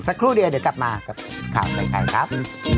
สักครู่เดียวเดี๋ยวกลับมากับข่าวใส่ไข่ครับ